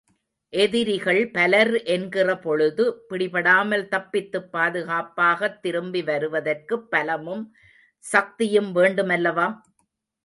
எதிரிகள் பலர் என்கிற பொழுது, பிடிபடாமல் தப்பித்துப் பாதுகாப்பாகத் திரும்பி வருவதற்குப் பலமும், சக்தியும் வேண்டு மல்லவா?